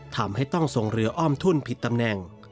ทำให้ต้องส่งเรืออ้อมทุนผิดตำแหน่ง